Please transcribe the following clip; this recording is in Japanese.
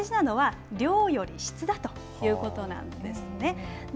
大事なのは、量より質だということなんですね。